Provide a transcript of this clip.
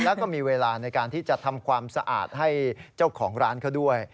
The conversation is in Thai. แล้วก็มีเวลาในการที่จะทำความสะอาดให้เจ้าของร้านเขาด้วย